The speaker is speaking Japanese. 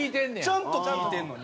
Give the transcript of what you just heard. ちゃんと聞いてるのに。